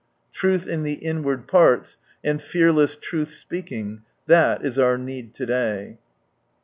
Truth in the inward parts, and fearless truth speaking — thai is our need to day